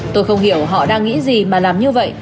tôi không hiểu họ đang nghĩ gì mà làm như vậy